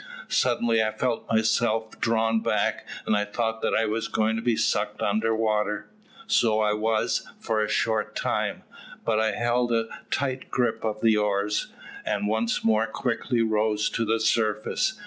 Suddenly I felt myself drawn back, and I thought that I was going to be sucked under water so I was for a short time; but I held a tight grasp of the oars, and once more quickly rose to the surface.